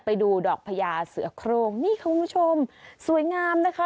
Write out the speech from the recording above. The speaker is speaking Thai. ไปดูดอกพญาเสือโครงนี่คุณผู้ชมสวยงามนะคะ